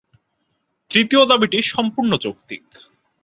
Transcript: তৃতীয় দাবিটি সম্পূর্ণ যৌক্তিক।